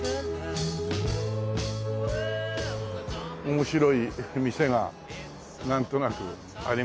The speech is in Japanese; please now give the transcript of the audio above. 面白い店がなんとなくありますよね。